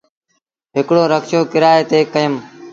هڪڙو رڪشو ڪرئي تي ڪيٚم ۔